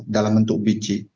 dalam bentuk biji